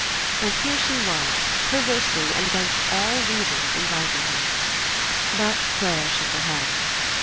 And here she was, perversely and against all reason, inviting her. But Clare shook her head.